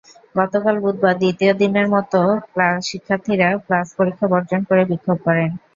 গতকাল বুধবার দ্বিতীয় দিনের মতো শিক্ষার্থীরা ক্লাস-পরীক্ষা বর্জন করে বিক্ষোভ করেন।